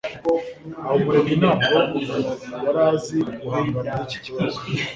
Habumuremwi ntabwo yari azi guhangana niki kibazo.